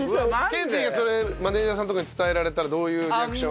ケンティーがそれマネージャーさんとかに伝えられたらどういうリアクション？